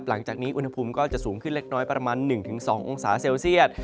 หลังจากนี้อุณหภูมิก็จะสูงขึ้นเล็กน้อยประมาณ๑๒องศาเซลเซียต